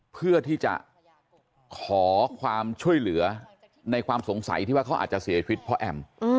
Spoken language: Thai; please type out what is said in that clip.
เพื่อที่จะขอความช่วยเหลือในความสงสัยที่ว่าเขาอาจจะเสียชีวิตเพราะแอม